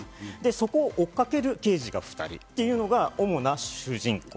そこを追っかける刑事が２人というのが主な主人公。